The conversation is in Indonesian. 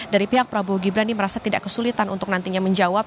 dari pihak prabowo gibran ini merasa tidak kesulitan untuk nantinya menjawab